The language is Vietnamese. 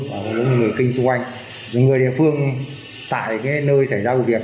với những người kinh xung quanh với những người địa phương tại nơi xảy ra vụ việc